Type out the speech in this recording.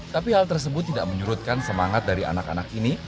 tapi hal tersebut tidak menyurutkan semangat dari anak anak ini